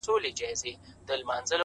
اخلاص د اړیکو بنسټ پیاوړی کوي،